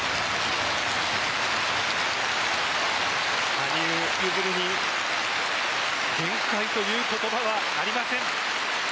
羽生結弦に限界という言葉はありません。